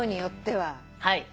はい。